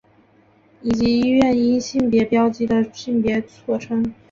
以及医院因性别注记的性别错称。